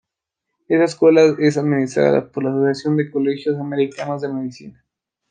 Esta escuela es administrada por la Asociación de Colegios Americanos de Medicina.